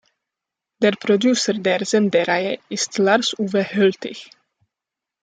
Der Producer der Sendereihe ist Lars Uwe Höltich.